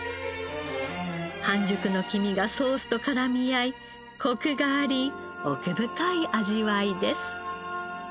半熟の黄身がソースと絡み合いコクがあり奥深い味わいです。